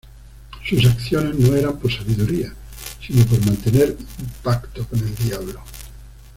Sus acciones no eran por sabiduría sino por mantener un pacto con el Diablo.